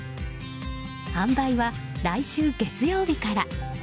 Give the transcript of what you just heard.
販売は、来週月曜日から。